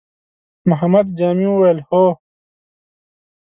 محمد جامي وويل: هو!